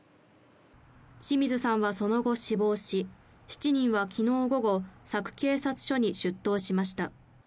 清水さんはその後死亡し、７人は昨日午後、佐久警察署に出頭しました。